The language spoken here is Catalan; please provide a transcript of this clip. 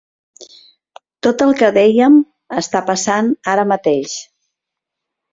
Tot el que dèiem està passant ara mateix.